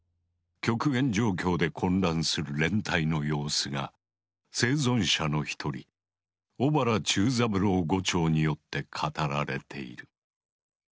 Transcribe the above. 極限状況で混乱する連隊の様子が生存者の一人小原忠三郎伍長によって語られている。